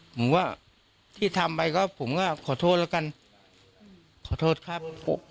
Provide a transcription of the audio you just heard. ผมก็ที่ทำไปก็ผมก็ขอโทษแล้วกันขอโทษครับ